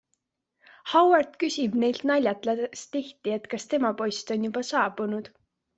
Howard küsib neilt naljatledes tihti, et kas tema post on juba saabunud.